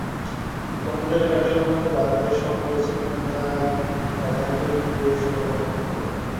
কম্পিউটারের কার্যক্ষমতা বাড়াতে সব প্রসেসর নির্মাতাই একটা কারিগরি কৌশল অবলম্বন করে।